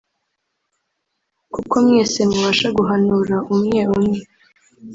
kuko mwese mubasha guhanura umwe umwe